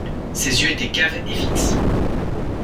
Ses yeux étaient caves et fixes.